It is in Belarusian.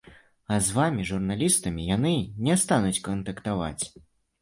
А з вамі, журналістамі, яны не стануць кантактаваць.